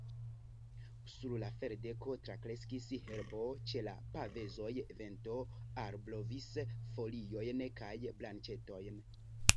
Sur la ferdeko trakreskis herbo; ĉe la pavezoj vento alblovis foliojn kaj branĉetojn.